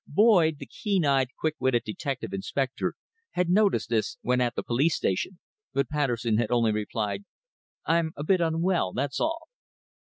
Boyd, the keen eyed, quick witted detective inspector, had noticed this when at the police station, but Patterson had only replied "I'm a bit unwell, that's all."